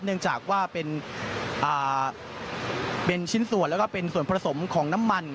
เนื่องจากว่าเป็นชิ้นส่วนแล้วก็เป็นส่วนผสมของน้ำมัน